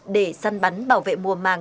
để săn bắn bảo vệ mùa màng